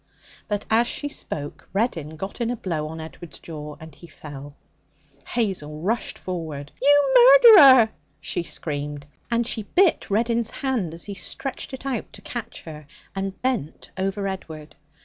But as she spoke Reddin got in a blow on Edward's jaw, and he fell. Hazel rushed forward. 'You murderer!' she screamed, and she bit Reddin's hand as he stretched it out to catch her, and bent over Edward.